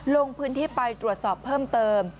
ลงพื้นที่ไปตรวจสอบเพิ่มเติม